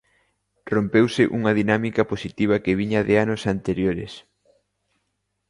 Rompeuse unha dinámica positiva que viña de anos anteriores.